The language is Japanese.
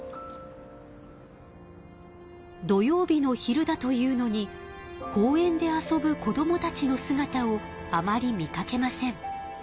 土曜日の昼だというのに公園で遊ぶ子どもたちのすがたをあまり見かけません。